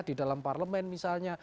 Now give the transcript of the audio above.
di dalam parlemen misalnya